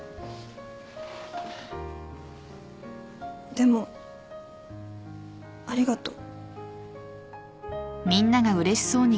でもありがとう。